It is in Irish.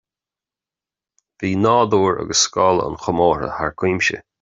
Bhí nádúr agus scála an chomórtha thar cuimse